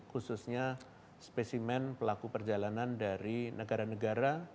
khususnya spesimen pelaku perjalanan dari negara negara